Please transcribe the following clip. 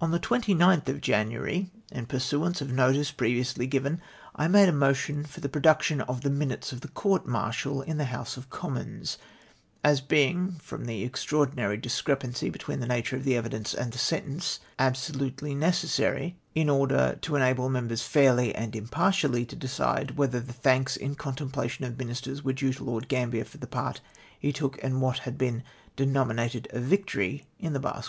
On the 29th of January, in piu'suance of notice pre viously given, I made a motion for the production of the minutes of the court martial in the House of Com mons ; as being, fi'om the extraordinary discrepancy between the nature of the evidence and the sentence, absolutely necessary, in order to enable members fairly and impartially to decide whether the thanks in con templation of ministers icere due to Lord Gambler for the part he took in what had been by them denomi nated a victory in Basque Eoads.